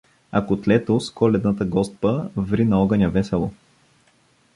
А котлето с коледната гостба ври на огъня весело.